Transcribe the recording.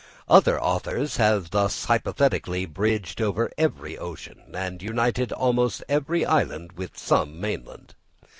Other authors have thus hypothetically bridged over every ocean, and united almost every island with some mainland.